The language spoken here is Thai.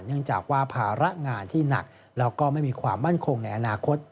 เนื่องจากว่าภาระงานที่หนักแล้วก็ไม่มีความมั่นคงในอนาคต